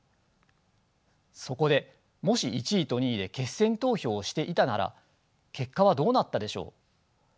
そこでもし１位と２位で決選投票をしていたなら結果はどうなったでしょう。